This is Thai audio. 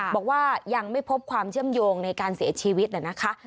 บอกว่ายังไม่พบความเชื่อมโยงในการเสียชีวิตนะคะ